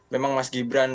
memang mas gibran